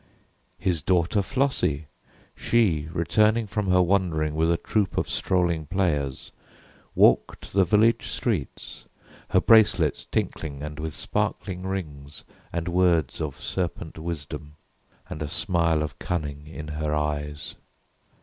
His daughter Flossie, she, Returning from her wandering with a troop Of strolling players, walked the village streets, Her bracelets tinkling and with sparkling rings And words of serpent wisdom and a smile Of cunning in her eyes.